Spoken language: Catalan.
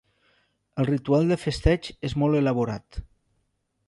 El ritual de festeig és molt elaborat.